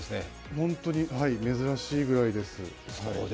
本当に珍しいぐらいです。